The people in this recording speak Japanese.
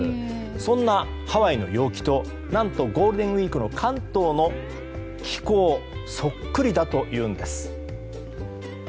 そんなハワイの陽気とゴールデンウィークの関東の気候がそっくりだというんです。